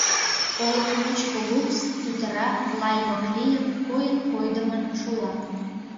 Олык мучко лупс, тӱтыра, лаймык лийын, койын-койдымын шула.